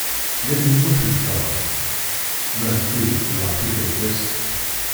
Nnan yemmut deg ṭṭrad, ma d tidett neɣ d tikerkas